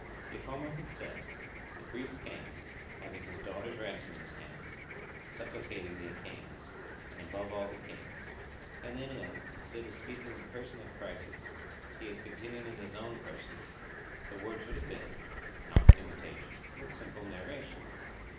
If Homer had said, 'The priest came, having his daughter's ransom in his hands, supplicating the Achaeans, and above all the kings;' and then if, instead of speaking in the person of Chryses, he had continued in his own person, the words would have been, not imitation, but simple narration.